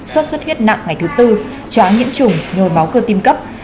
xuất xuất huyết nặng ngày thứ tư chóa nhiễm chủng nhồi máu cơ tim cấp